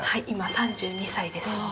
今３２歳です。